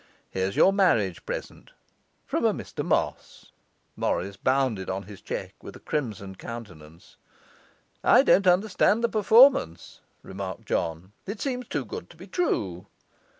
Here's your marriage present from a Mr Moss.' Morris bounded on his cheque with a crimsoned countenance. 'I don't understand the performance,' remarked John. 'It seems too good to be true.